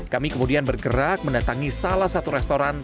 kami kemudian bergerak mendatangi salah satu restoran